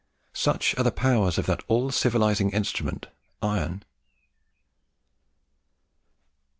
Such are the powers of that all civilizing instrument, Iron."